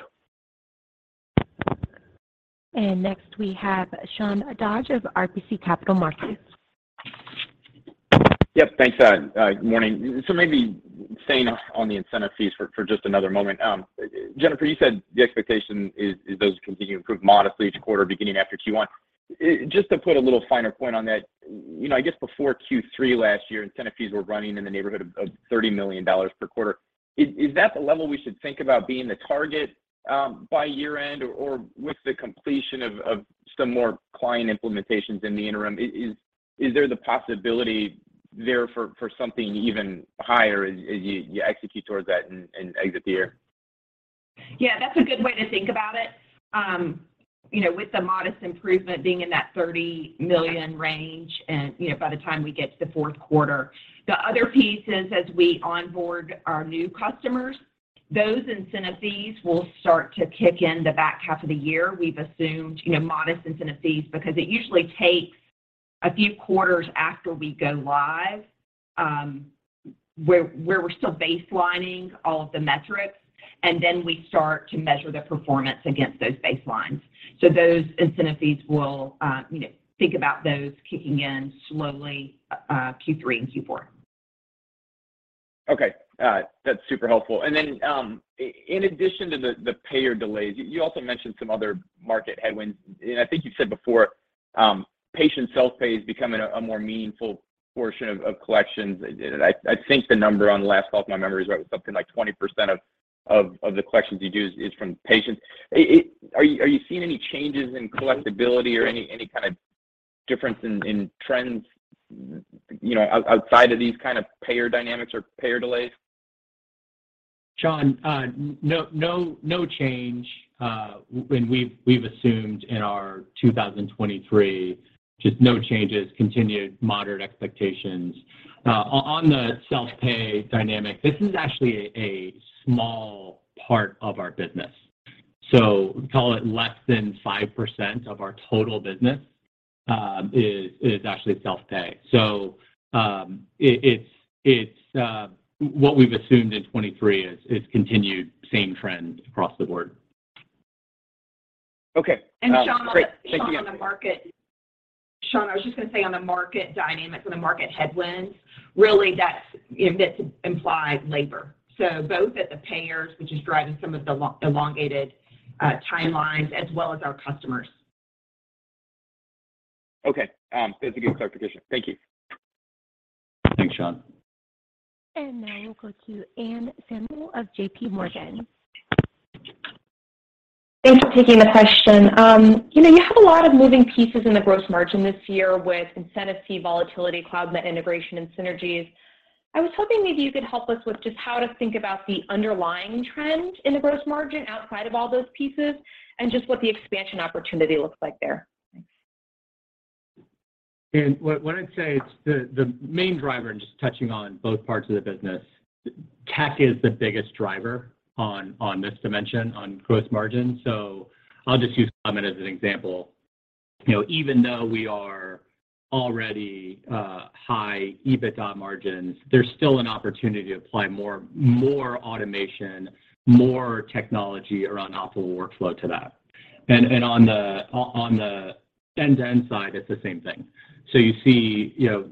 Next, we have Sean Dodge of RBC Capital Markets. Yep. Thanks. Good morning. Maybe staying on the incentive fees for just another moment. Jennifer, you said the expectation is those continue to improve modestly each quarter, beginning after Q1. Just to put a little finer point on that, you know, I guess before Q3 last year, incentive fees were running in the neighborhood of $30 million per quarter. Is that the level we should think about being the target by year-end? Or with the completion of some more client implementations in the interim, is there the possibility there for something even higher as you execute towards that and exit the year? Yeah, that's a good way to think about it. You know, with the modest improvement being in that $30 million range and, you know, by the time we get to the fourth quarter. The other piece is as we onboard our new customers, those incentive fees will start to kick in the back half of the year. We've assumed, you know, modest incentive fees because it usually takes a few quarters after we go live, where we're still baselining all of the metrics, and then we start to measure the performance against those baselines. Those incentive fees will, you know, think about those kicking in slowly, Q3 and Q4. Okay. That's super helpful. In addition to the payer delays, you also mentioned some other market headwinds. I think you've said before, patient self-pay is becoming a more meaningful portion of collections. I think the number on the last call, if my memory is right, was something like 20% of the collections you do is from patients. Are you seeing any changes in collectability or any kind of difference in trends, you know, outside of these kind of payer dynamics or payer delays? Sean, no change. We've assumed in our 2023, just no changes, continued moderate expectations. On the self-pay dynamic, this is actually a small part of our business. Call it less than 5% of our total business, is actually self-pay. It's what we've assumed in 23 is continued same trend across the board. Okay. Sean. Great. Thank you. On the market, Sean, I was just gonna say on the market dynamics, on the market headwinds, really that's, you know, that's implied labor. Both at the payers, which is driving some of the elongated timelines, as well as our customers. Okay. That's a good clarification. Thank you. Thanks, Sean. Now we'll go to Anne Samuel of JPMorgan. Thanks for taking the question. You know, you have a lot of moving pieces in the gross margin this year with incentive fee volatility, Cloudmed integration, and synergies. I was hoping maybe you could help us with just how to think about the underlying trend in the gross margin outside of all those pieces, and just what the expansion opportunity looks like there. Thanks. What I'd say, it's the main driver, and just touching on both parts of the business, tech is the biggest driver on this dimension, on gross margin. I'll just use Cloudmed as an example. You know, even though we are already high EBITDA margins, there's still an opportunity to apply more automation, more technology around optimal workflow to that. On the end-to-end side, it's the same thing. You see, you know,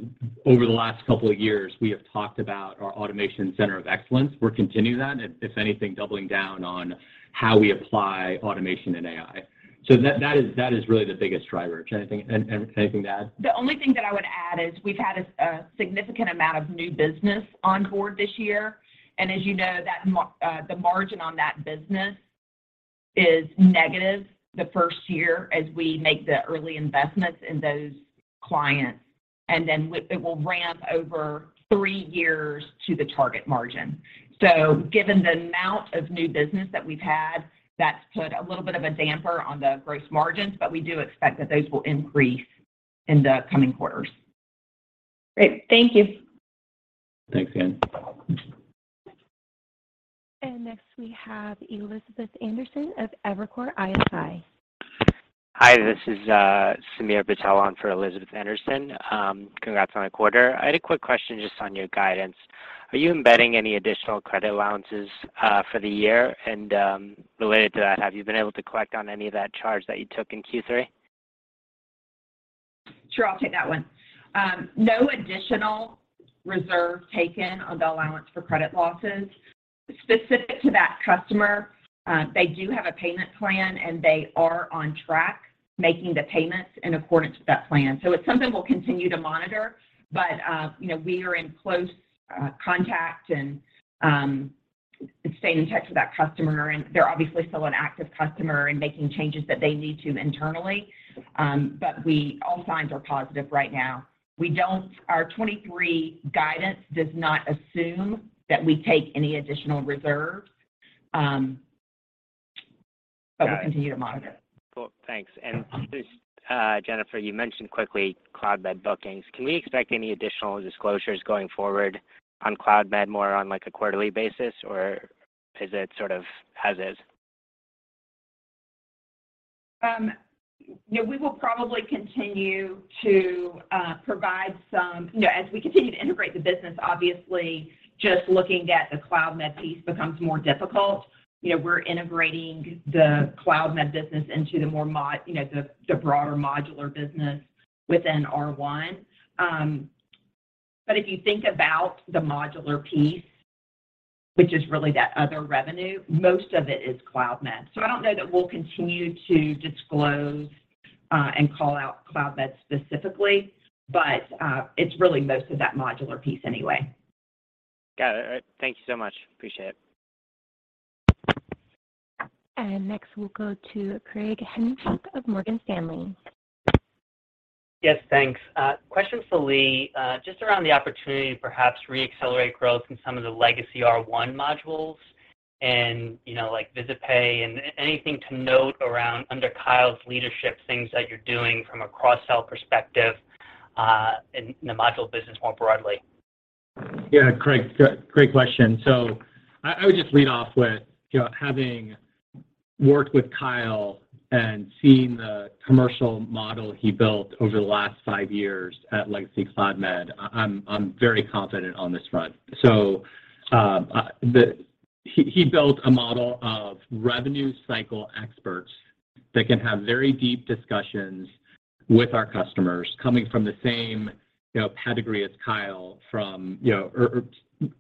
over the last couple of years, we have talked about our automation center of excellence. We're continuing that, if anything, doubling down on how we apply automation and AI. That is really the biggest driver. Jen, anything to add? The only thing that I would add is we've had a significant amount of new business on board this year. As you know, the margin on that business is negative the first year as we make the early investments in those clients. Then it will ramp over three years to the target margin. Given the amount of new business that we've had, that's put a little bit of a damper on the gross margins, but we do expect that those will increase in the coming quarters. Great. Thank you. Thanks, Anne. Next, we have Elizabeth Anderson of Evercore ISI. Hi, this is Sameer Patel on for Elizabeth Anderson. Congrats on the quarter. I had a quick question just on your guidance. Are you embedding any additional credit allowances for the year? Related to that, have you been able to collect on any of that charge that you took in Q3? Sure. I'll take that one. No additional reserve taken on the allowance for credit losses. Specific to that customer, they do have a payment plan, and they are on track making the payments in accordance with that plan. It's something we'll continue to monitor, but, you know, we are in close contact and staying in touch with that customer, and they're obviously still an active customer and making changes that they need to internally. All signs are positive right now. Our 23 guidance does not assume that we take any additional reserves. Okay. Continue to monitor. Cool, thanks. Just Jennifer, you mentioned quickly Cloudmed bookings. Can we expect any additional disclosures going forward on Cloudmed more on, like, a quarterly basis, or is it sort of as is? You know, we will probably continue to provide some... You know, as we continue to integrate the business, obviously just looking at the Cloudmed piece becomes more difficult. You know, we're integrating the Cloudmed business into the more you know, the broader modular business within R1. If you think about the modular piece, which is really that other revenue, most of it is Cloudmed. I don't know that we'll continue to disclose and call out Cloudmed specifically, but it's really most of that modular piece anyway. Got it. All right. Thank you so much. Appreciate it. Next, we'll go to Craig Heiner of Morgan Stanley. Yes, thanks. Question for Lee, just around the opportunity to perhaps reaccelerate growth in some of the legacy R1 modules and, you know, like VisitPay and anything to note around under Kyle's leadership, things that you're doing from a cross-sell perspective, in the module business more broadly? Yeah, Craig, great question. I would just lead off with, you know, having worked with Kyle and seeing the commercial model he built over the last five years at Legacy Cloudmed, I'm very confident on this front. He built a model of revenue cycle experts that can have very deep discussions with our customers coming from the same, you know, pedigree as Kyle from, you know,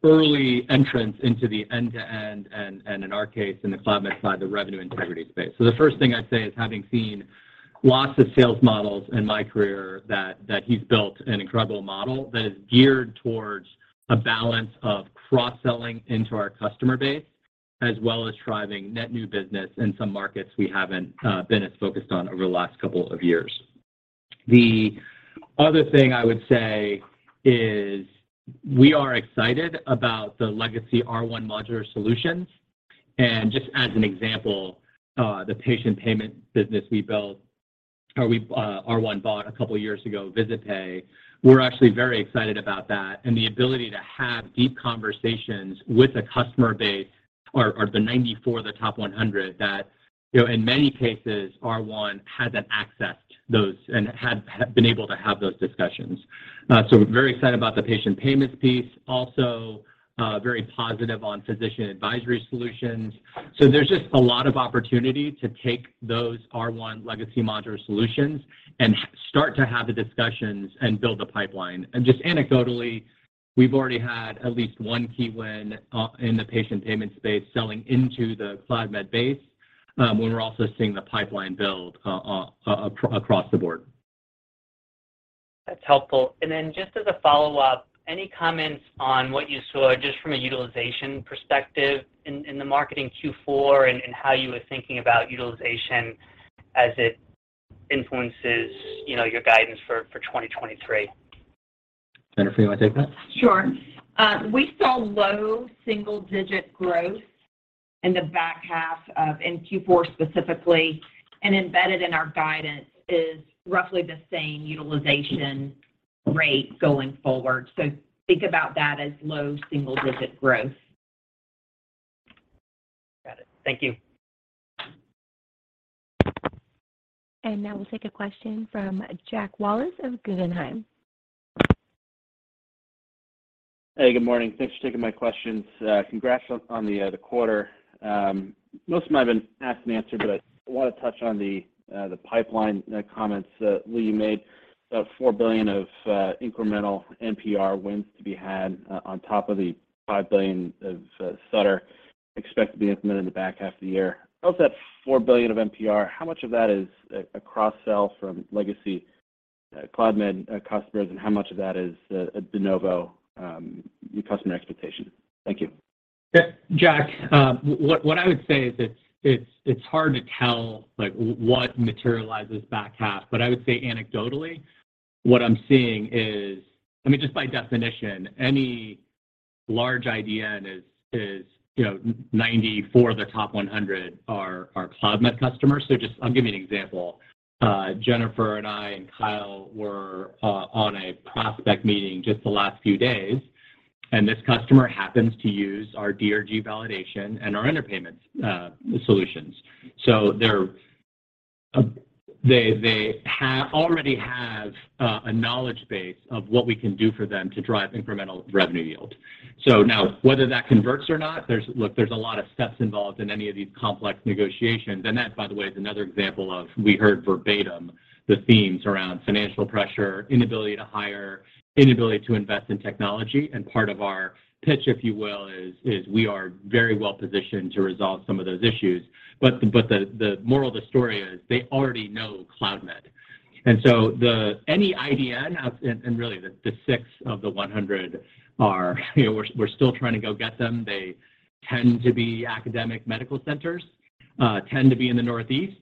early entrants into the end-to-end and in our case, in the Cloudmed side, the revenue integrity space. The first thing I'd say is having seen lots of sales models in my career that he's built an incredible model that is geared towards a balance of cross-selling into our customer base, as well as driving net new business in some markets we haven't been as focused on over the last couple of years. The other thing I would say is we are excited about the Legacy R1 modular solutions. Just as an example, the patient payment business we built or R1 bought a couple of years ago, VisitPay. We're actually very excited about that and the ability to have deep conversations with the customer base or the 94 of the top 100 that, you know, in many cases, R1 hasn't accessed those and had been able to have those discussions. Very excited about the patient payments piece, also, very positive on physician advisory solutions. There's just a lot of opportunity to take those R1 modular solutions and start to have the discussions and build the pipeline. Just anecdotally, we've already had at least one key win in the patient payment space selling into the Cloudmed base, when we're also seeing the pipeline build across the board. That's helpful. Then just as a follow-up, any comments on what you saw just from a utilization perspective in the marketing Q4 and how you were thinking about utilization as it influences, you know, your guidance for 2023? Jennifer, you wanna take that? Sure. We saw low single-digit growth in Q4 specifically. Embedded in our guidance is roughly the same utilization rate going forward. Think about that as low single-digit growth. Got it. Thank you. Now we'll take a question from Jack Wallace of Guggenheim. Hey, good morning. Thanks for taking my questions. Congrats on the quarter. Most of them have been asked and answered, I wanna touch on the pipeline comments that Lee made, about $4 billion of incremental NPR wins to be had on top of the $5 billion of Sutter expected to be implemented in the back half of the year. Of that $4 billion of NPR, how much of that is a cross-sell from legacy Cloudmed customers, and how much of that is a de novo new customer expectation? Thank you. Yeah, Jack, what I would say is it's hard to tell, like, what materializes back half. I would say anecdotally, what I'm seeing is... I mean, just by definition, any large IDN is, you know, 94 of their top 100 are Cloudmed customers. Just I'll give you an example. Jennifer and I and Kyle were on a prospect meeting just the last few days, this customer happens to use our DRG validation and our underpayment solutions. They're, they already have a knowledge base of what we can do for them to drive incremental revenue yield. Now whether that converts or not, there's... Look, there's a lot of steps involved in any of these complex negotiations. That, by the way, is another example of we heard verbatim the themes around financial pressure, inability to hire, inability to invest in technology. Part of our pitch, if you will, is we are very well positioned to resolve some of those issues. The moral of the story is they already know Cloudmed. The any IDN and really the si of the 100 are, you know, we're still trying to go get them. They tend to be academic medical centers, tend to be in the Northeast.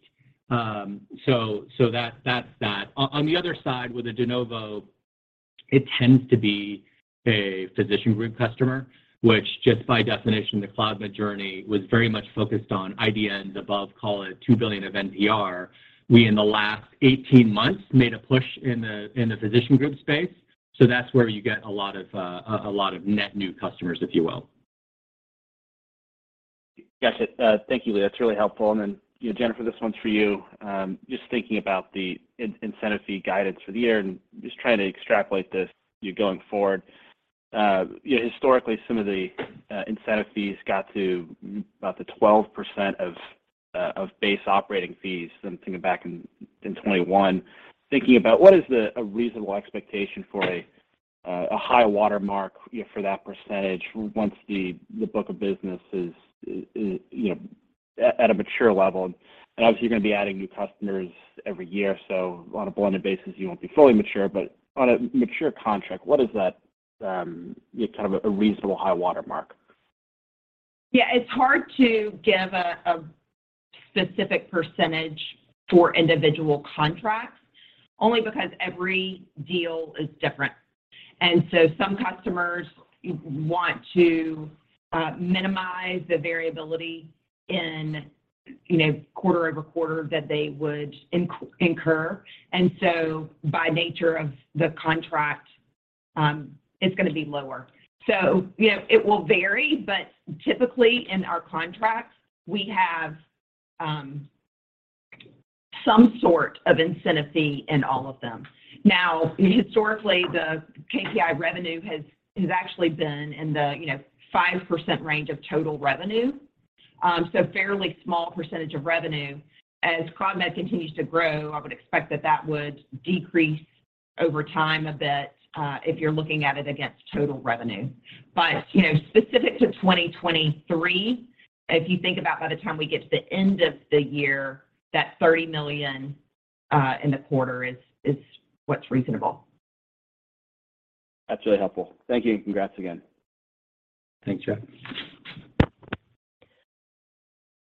That's that. On the other side with the de novo It tends to be a physician group customer, which just by definition, the Cloudmed journey was very much focused on IDNs above, call it $2 billion of NPR. We in the last 18 months made a push in the physician group space. That's where you get a lot of net new customers, if you will. Got it. Thank you, Lee. That's really helpful. You know, Jennifer, this one's for you. Just thinking about the incentive fee guidance for the year and just trying to extrapolate this, you know, going forward. You know, historically, some of the incentive fees got to about 12% of base operating fees, so I'm thinking back in 2021. Thinking about what is the reasonable expectation for a high watermark, you know, for that percentage once the book of business is, you know, at a mature level? Obviously you're gonna be adding new customers every year, so on a blended basis you won't be fully mature. On a mature contract, what is that, you know, kind of a reasonable high watermark? Yeah. It's hard to give a specific percentage for individual contracts, only because every deal is different. Some customers want to minimize the variability in, you know, quarter-over-quarter that they would incur. By nature of the contract, it's gonna be lower. It will vary, but typically in our contracts, we have some sort of incentive fee in all of them. Historically, the KPI revenue has actually been in the, you know, 5% range of total revenue, so fairly small percentage of revenue. As Cloudmed continues to grow, I would expect that that would decrease over time a bit, if you're looking at it against total revenue. You know, specific to 2023, if you think about by the time we get to the end of the year, that $30 million in the quarter is what's reasonable. That's really helpful. Thank you. Congrats again. Thanks,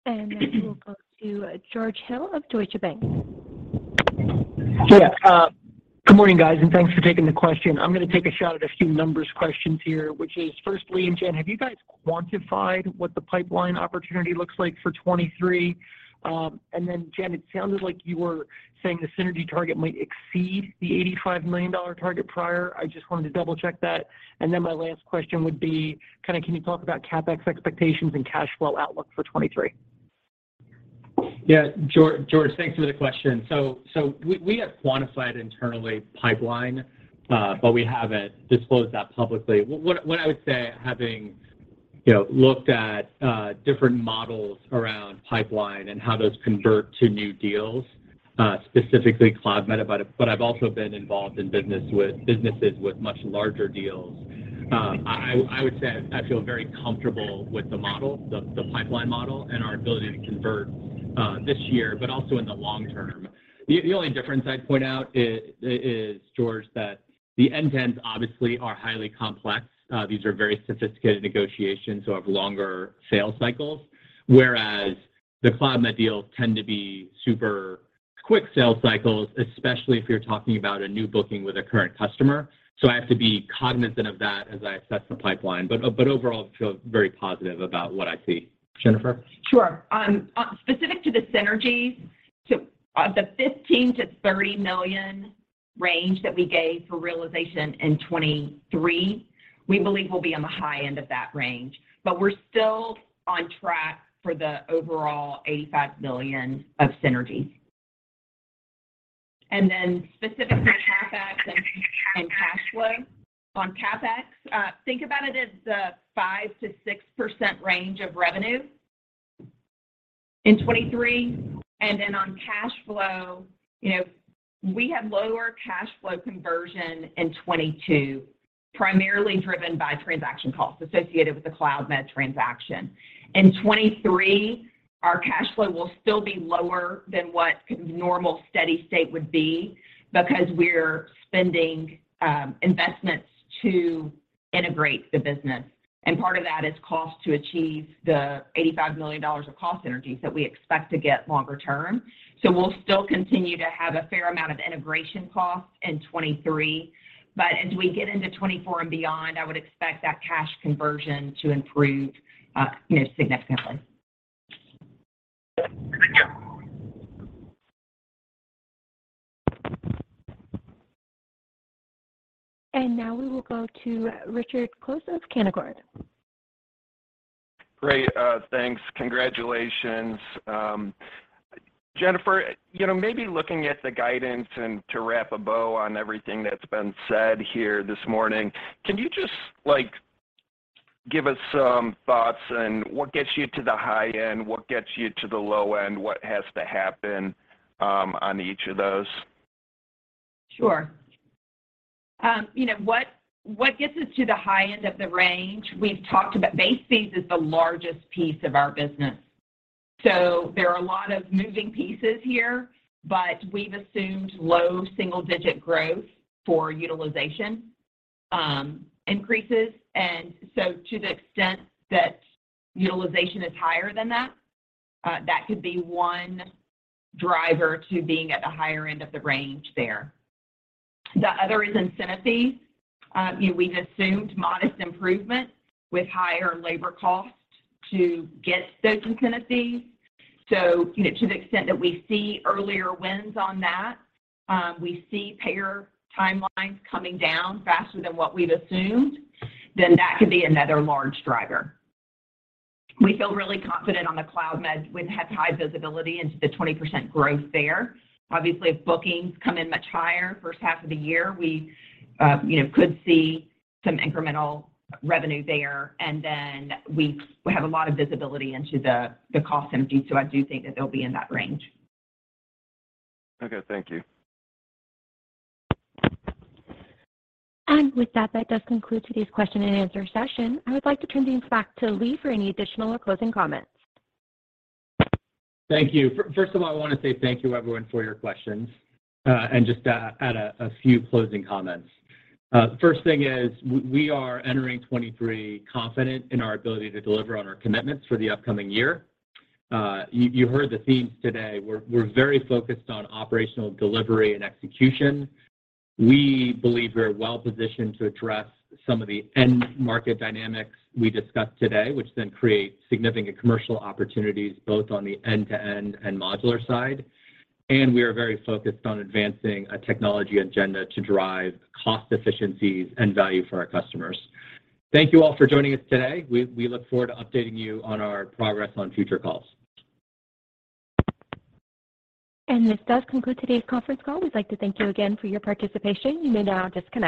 Jack. Next we'll go to George Hill of Deutsche Bank. Good morning, guys, thanks for taking the question. I'm gonna take a shot at a few numbers questions here, which is firstly, Jen, have you guys quantified what the pipeline opportunity looks like for 2023? Then Jen, it sounded like you were saying the synergy target might exceed the $85 million target prior. I just wanted to double-check that. Then my last question would be can you talk about CapEx expectations and cash flow outlook for 2023? Yeah. George, thanks for the question. We have quantified internally pipeline, but we haven't disclosed that publicly. What I would say, having, you know, looked at different models around pipeline and how those convert to new deals, specifically Cloudmed, but I've also been involved in business with businesses with much larger deals. I would say I feel very comfortable with the model, the pipeline model, and our ability to convert this year, but also in the long term. The only difference I'd point out is, George, that the IDNs obviously are highly complex. These are very sophisticated negotiations, so have longer sales cycles. Whereas the Cloudmed deals tend to be super quick sales cycles, especially if you're talking about a new booking with a current customer. I have to be cognizant of that as I assess the pipeline. Overall, I feel very positive about what I see. Jennifer? Sure. Specific to the synergies, the $15 million-$30 million range that we gave for realization in 2023, we believe will be on the high end of that range. We're still on track for the overall $85 million of synergy. Specifically CapEx and cash flow. On CapEx, think about it as the 5%-6% range of revenue in 2023. On cash flow, you know, we had lower cash flow conversion in 2022, primarily driven by transaction costs associated with the Cloudmed transaction. In 2023, our cash flow will still be lower than what normal steady state would be because we're spending investments to integrate the business, and part of that is cost to achieve the $85 million of cost synergies that we expect to get longer term. We'll still continue to have a fair amount of integration costs in 2023. As we get into 2024 and beyond, I would expect that cash conversion to improve, you know, significantly. Now we will go to Richard Close of Canaccord. Great. Thanks. Congratulations. Jennifer, you know, maybe looking at the guidance and to wrap a bow on everything that's been said here this morning, can you just, like, give us some thoughts on what gets you to the high end, what gets you to the low end, what has to happen, on each of those? Sure. You know, what gets us to the high end of the range, we've talked about base fees is the largest piece of our business. There are a lot of moving pieces here, but we've assumed low single digit growth for utilization increases. To the extent that utilization is higher than that could be one driver to being at the higher end of the range there. The other is incentive fees. You know, we've assumed modest improvement with higher labor costs to get those incentive fees. You know, to the extent that we see earlier wins on that, we see payer timelines coming down faster than what we've assumed, then that could be another large driver. We feel really confident on the Cloudmed. We've had high visibility into the 20% growth there. Obviously, if bookings come in much higher first half of the year, we, you know, could see some incremental revenue there, and then we have a lot of visibility into the cost synergy, so I do think that they'll be in that range. Okay, thank you. With that does conclude today's question and answer session. I would like to turn things back to Lee for any additional or closing comments. Thank you. First of all, I wanna say thank you everyone for your questions, and just add a few closing comments. First thing is we are entering 2023 confident in our ability to deliver on our commitments for the upcoming year. You heard the themes today. We're very focused on operational delivery and execution. We believe we're well positioned to address some of the end market dynamics we discussed today, which then create significant commercial opportunities both on the end-to-end and modular side. We are very focused on advancing a technology agenda to drive cost efficiencies and value for our customers. Thank you all for joining us today. We look forward to updating you on our progress on future calls. This does conclude today's conference call. We'd like to thank you again for your participation. You may now disconnect.